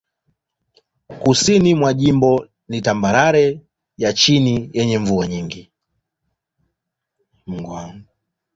Kusini mwa jimbo ni tambarare ya chini yenye mvua nyingi.